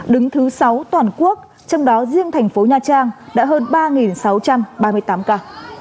đứng thứ sáu toàn quốc trong đó riêng thành phố nha trang đã hơn ba sáu trăm ba mươi tám ca